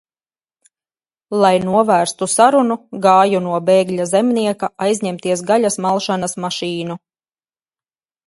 Lai novērstu sarunu, gāju no bēgļa Zemnieka aizņemties gaļas malšanas mašīnu.